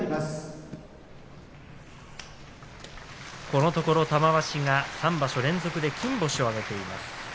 このところ玉鷲が３場所連続で金星を挙げています。